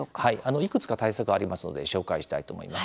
いくつか対策はありますので紹介したいと思います。